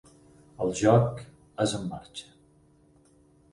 El joc és en marxa.